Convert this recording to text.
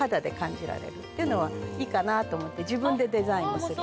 っていうのはいいかなと思って自分でデザインもする。